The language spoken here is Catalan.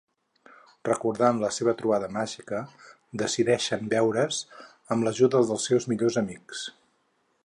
Recordant la seva trobada màgica, decideixen veure's amb l'ajuda dels seus millors amics.